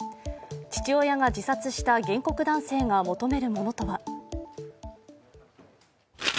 父親が自殺した原告男性が求めるものとは。